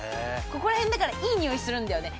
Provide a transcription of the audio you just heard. ここら辺だからいい匂いするんだよね